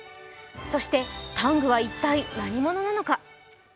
そしてタングは一体何者なのか。